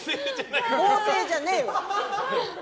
合成じゃねえわ！